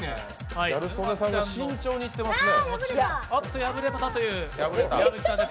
ギャル曽根さんが慎重にいってますね。